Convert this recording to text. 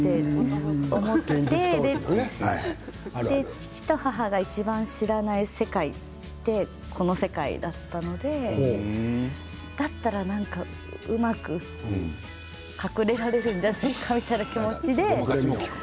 父と母がいちばん知らない世界はこの世界だったのでだったらうまく隠れられるんじゃないかみたいな気持ちで。